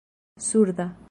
surda